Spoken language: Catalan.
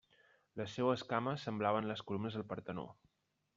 Les seues cames semblaven les columnes del Partenó.